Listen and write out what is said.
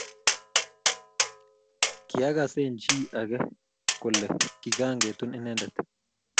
Kiakas eng chi ake kole kikaketun inendet